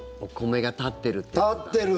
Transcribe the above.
立ってる！